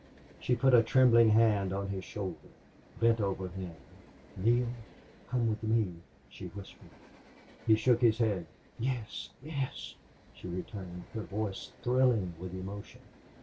She put a trembling hand on his shoulder bent over him. "Neale come with me," she whispered. He shook his head. "Yes! Yes!" she returned, her voice thrilling with emotion.